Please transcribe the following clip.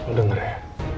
lo denger ya